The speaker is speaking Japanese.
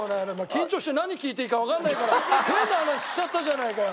緊張して何聞いていいかわからないから変な話しちゃったじゃないかよ！